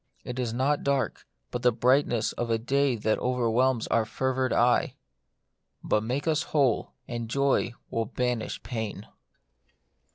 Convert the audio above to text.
It is not dark, but the brightness of a day that overwhelms our fevered eye. But make us who ley and joy will banish pain.